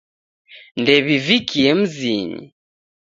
Ndew'ivikie mzinyi.